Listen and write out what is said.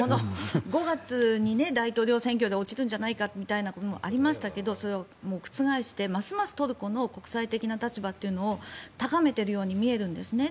５月に大統領選挙で落ちるんじゃないかみたいなこともありましたがそれを覆してますますトルコの国際的な立場を高めているように見えるんですね。